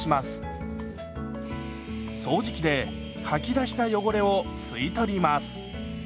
掃除機でかき出した汚れを吸い取ります。